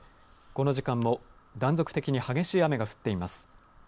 この時間も断続的に激しい雨が降っています。